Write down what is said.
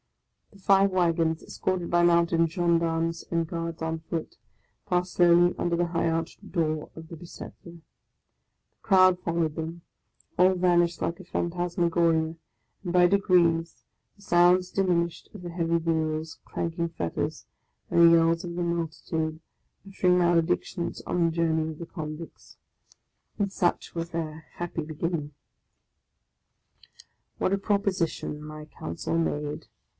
The five wagons, escorted by mounted gendarmes and guards on foot, passed slowly under the high arched door of the Bicetre. The crowd followed them : all vanished like a phantasmagoria, and by degrees the sounds diminished of the heavy wheels, clanking fetters, and the yells of the multitude uttering maledictions on the journey of the convicts. And such was their happy beginning! OF A CONDEMNED 61 What a proposition my counsel made